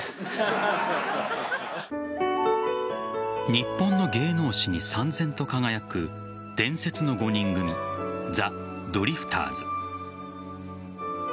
日本の芸能史にさんぜんと輝く伝説の５人組ザ・ドリフターズ。